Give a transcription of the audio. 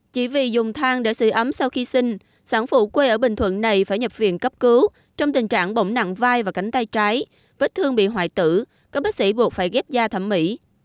chỉ vì dùng than để sửa ấm sau khi sinh sản phụ quê ở bình thuận này phải nhập viện cấp cứu trong tình trạng bỏng nặng vai và cánh tay trái vết thương bị hoại tử các bác sĩ buộc phải ghép da thẩm mỹ